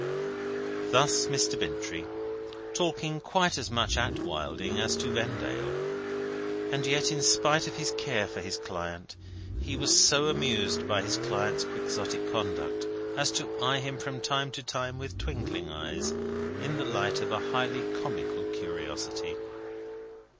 Thus Mr. Bintrey; talking quite is much at Wilding as to Vendale. And yet, in spite of his care for his client, he was so amused by his client's Quixotic conduct, as to eye him from time to time with twinkling eyes, in the light of a highly comical curiosity.